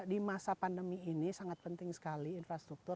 di masa pandemi ini sangat penting sekali infrastruktur